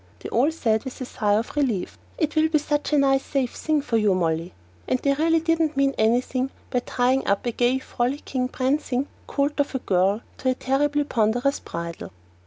They all said, with a sigh of relief, "It will be such a nice safe thing for you, Molly." And they really didn't mean anything by tying up a gay, frolicking, prancing colt of a girl with a terribly ponderous bridle.